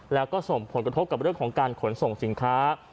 แล้วก็ส่งผลกระทบกับเรื่องของการขนส่งสินค้า